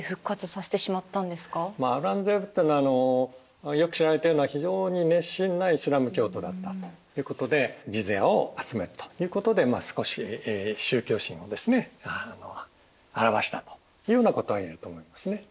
アウラングゼーブっていうのはよく知られてるのは非常に熱心なイスラーム教徒だったということでジズヤを集めるということで少し宗教心を表したというようなことが言えると思いますね。